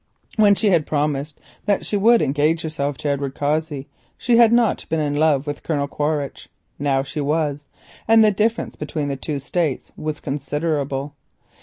When she had promised that she would engage herself to Edward Cossey she had not been in love with Colonel Quaritch; now she was, and the difference between the two states is considerable.